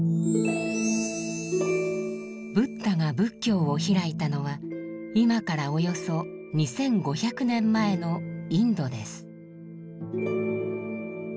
ブッダが仏教を開いたのは今からおよそ２，５００年前のインドです。